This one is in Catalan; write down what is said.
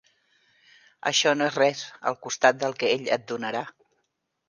Això no és res al costat del que ell et donarà.